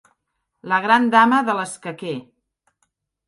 La gran dama de l'escaquer.